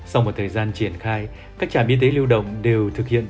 sau một thời gian triển khai các trạm y tế lưu động đều thực hiện